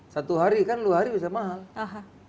satu hari kan dua hari bisa mahal